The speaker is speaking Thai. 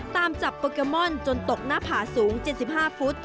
ตามจับโปเกมอนจนตกหน้าผาสูง๗๕ฟุต